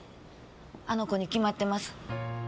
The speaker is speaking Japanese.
あの子に決まってます。